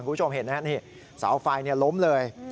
คุณผู้ชมเห็นไหมนี่เสาไฟล้มเลย